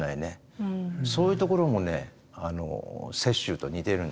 そういうところもね雪舟と似てるんですよ。